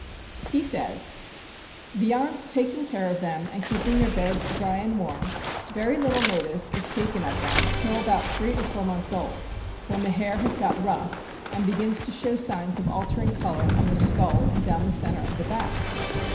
He says : Beyond taking care of them and keeping their beds dry and warm, very little notice is taken of them till about three or four months old, when the hair has got rough and begins to show signs of altering color on the skull and down the center of the back.